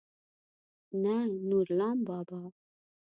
نه نورلام بابا.